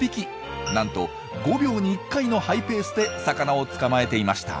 なんと５秒に１回のハイペースで魚を捕まえていました。